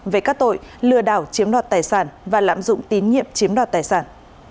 về các tội lừa đảo chiếm đoạt tài sản và lạm dụng tín nhiệm chiếm đoạt tài sản